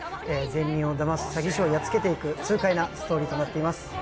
善人をだます詐欺師をやっつける痛快なストーリーになっています。